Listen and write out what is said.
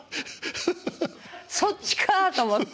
そっちかと思って。